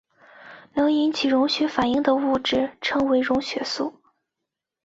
能引起溶血反应的物质称为溶血素。